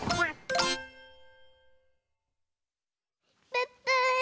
プップー！